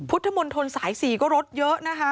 พุทธมนต์ทนสายสี่ก็ลดเยอะนะคะ